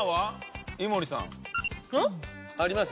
あります？